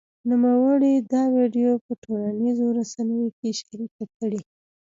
نوموړي دا ویډیو په ټولنیزو رسنیو کې شرېکه کړې